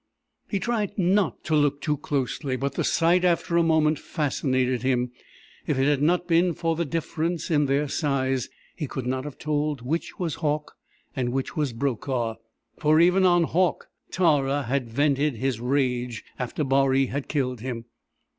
He tried not to look too closely, but the sight, after a moment, fascinated him. If it had not been for the difference in their size he could not have told which was Hauck and which was Brokaw, for even on Hauck, Tara had vented his rage after Baree had killed him.